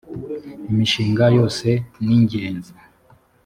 imishinga yose ningenzi.